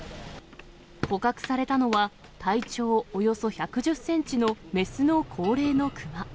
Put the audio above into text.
捕獲されたのは、体長およそ１１０センチの雌の高齢の熊。